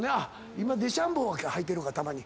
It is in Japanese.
今デシャンボーははいてるかたまに。